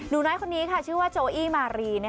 หนูน้อยคนนี้ชื่อว่าโจอี้มารี